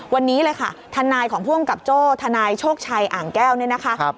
วันนี้เลยค่ะทนายของผู้กำกับโจ้ทนายโชคชัยอ่างแก้วเนี่ยนะคะ